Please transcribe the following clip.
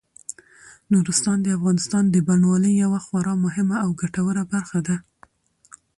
نورستان د افغانستان د بڼوالۍ یوه خورا مهمه او ګټوره برخه ده.